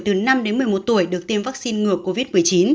từ năm đến một mươi một tuổi được tiêm vaccine ngừa covid một mươi chín